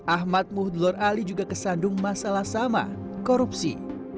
ahmad muhdlor ali juga kesandung masalah sama korupsi